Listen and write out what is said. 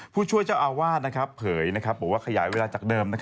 ผู้ช่วยเจ้าอาวาสเผยบอกว่าขยายเวลาจากเดิม